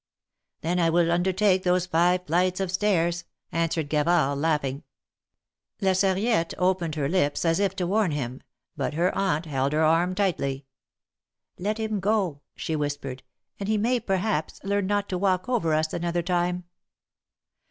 "Then I will undertake those five flights of stairs," answered Gavard, laughing. La Sarriette opened her lips as if to warn him, but her Aunt held her arm tightly. "Let him go!" she whispered, "and he may, perhaps, learn not to walk over us another time."